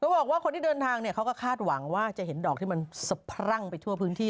บอกว่าคนที่เดินทางเนี่ยเขาก็คาดหวังว่าจะเห็นดอกที่มันสะพรั่งไปทั่วพื้นที่